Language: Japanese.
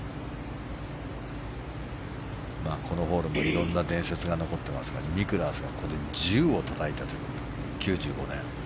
このホールもいろんな伝説が残っていますがニクラウスがここで１０をたたいたという９５年。